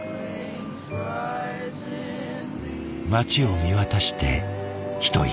街を見渡して一息。